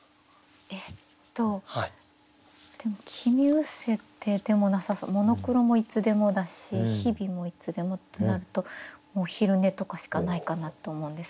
えっとでも「君失せて」でもなさそう「モノクロ」もいつでもだし「日々」もいつでもとなるともう「昼寝」とかしかないかなと思うんですけど。